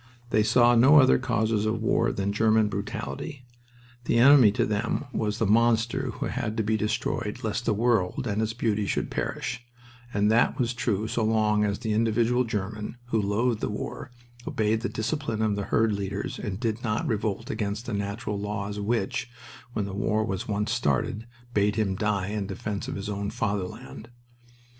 They saw no other causes of war than German brutality. The enemy to them was the monster who had to be destroyed lest the world and its beauty should perish and that was true so long as the individual German, who loathed the war, obeyed the discipline of the herd leaders and did not revolt against the natural laws which, when the war had once started, bade him die in defense of his own Fatherland.